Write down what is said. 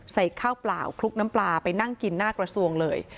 ใส่ข้าวเปล่าคลุกน้ำปลาไปนั่งกินหน้ากระทรวงเลย